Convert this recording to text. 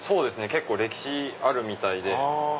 結構歴史あるみたいで。